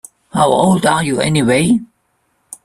How old are you anyway?